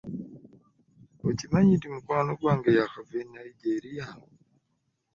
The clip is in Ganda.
Okimanyi nti mukwano gwange yakava e Nigeria.